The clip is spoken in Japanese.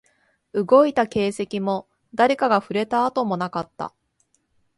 動いた形跡も、誰かが触れた跡もなかった